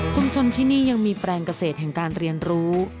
ที่นี่ยังมีแปลงเกษตรแห่งการเรียนรู้